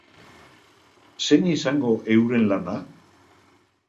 Zein izango euren lana?